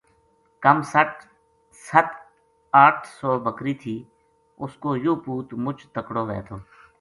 کم ست اَٹھ سو بکری تھی اس کو یوہ پُوت مُچ تکڑو وھے تھو